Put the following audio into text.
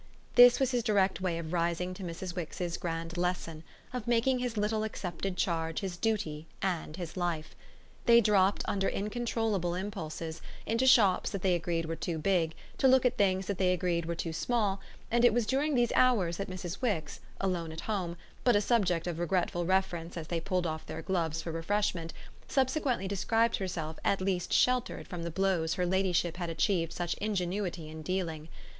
This was his direct way of rising to Mrs. Wix's grand lesson of making his little accepted charge his duty and his life. They dropped, under incontrollable impulses, into shops that they agreed were too big, to look at things that they agreed were too small, and it was during these hours that Mrs. Wix, alone at home, but a subject of regretful reference as they pulled off their gloves for refreshment, subsequently described herself as least sheltered from the blows her ladyship had achieved such ingenuity in dealing.